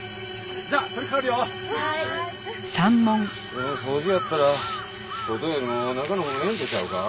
でも掃除やったら外よりも中のほうがええんとちゃうか？